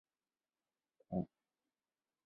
海南大学主校区位于大道西侧。